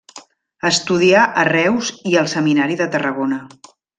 Estudià a Reus i al Seminari de Tarragona.